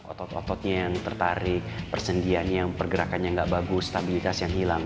otot ototnya yang tertarik persendiannya yang pergerakannya nggak bagus stabilitas yang hilang